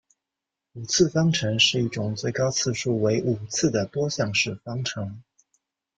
五次方程是一种最高次数为五次的多项式方程。